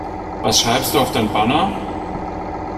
Was schreibst du auf dein Banner?